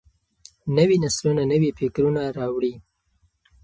نوي نسلونه نوي فکرونه راوړي.